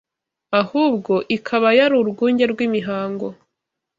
ahubwo ikaba yari urwunge rw’imihango